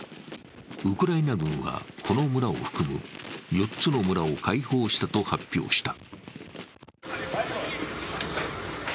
ウクライナ軍はこの村を含む、４つの村を開放したと発表した。